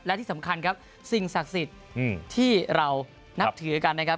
และที่สำคัญครับสิ่งศักดิ์สิทธิ์ที่เรานับถือกันนะครับ